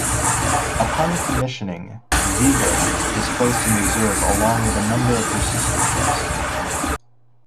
Upon commissioning, "Vigo" was placed in Reserve along with a number of her sister-ships.